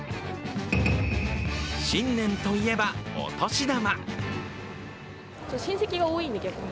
新年といえば、お年玉。